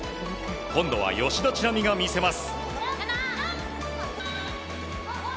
今度は吉田知那美が見せます。